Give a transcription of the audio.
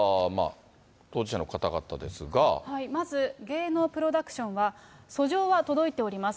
まず、芸能プロダクションは、訴状は届いております。